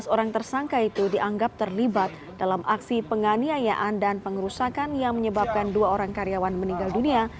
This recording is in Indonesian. tujuh belas orang tersangka itu dianggap terlibat dalam aksi penganiayaan dan pengerusakan yang menyebabkan dua orang karyawan meninggal dunia